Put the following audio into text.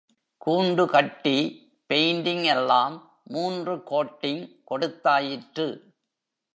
கூண்டுகட்டி, paint எல்லாம் மூன்று coating கொடுத்தாயிற்று.